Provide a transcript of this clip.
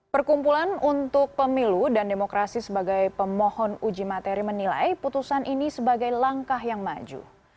perkumpulan untuk pemilu dan demokrasi sebagai pemohon uji materi menilai putusan ini sebagai langkah yang maju